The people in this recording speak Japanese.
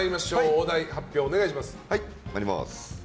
お題の発表、お願いします。